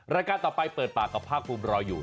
รายการต่อไปเปิดปากกับภาคภูมิรออยู่